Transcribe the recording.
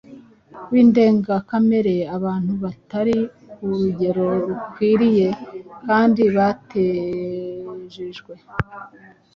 w’indengakamere, abantu batari ku rugero rukwiriye kandi batejejwe.